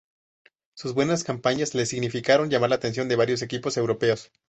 Sus buenas campañas le significaron llamar la atención de varios equipos europeos.